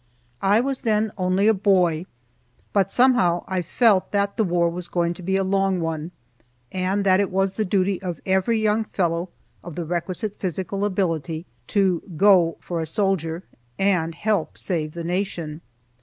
I was then only a boy, but somehow I felt that the war was going to be a long one, and that it was the duty of every young fellow of the requisite physical ability to "go for a soldier," and help save the Nation.